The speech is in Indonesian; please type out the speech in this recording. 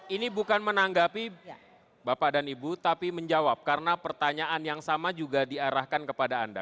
ini bukan menanggapi bapak dan ibu tapi menjawab karena pertanyaan yang sama juga diarahkan kepada anda